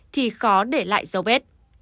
thì khó để lại dấu vết